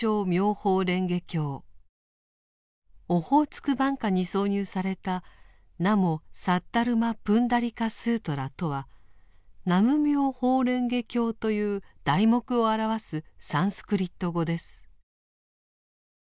「オホーツク挽歌」に挿入された「ナモ・サッダルマ・プンダリカ・スートラ」とは「南無妙法蓮華経」という題目を表すサンスクリット語です。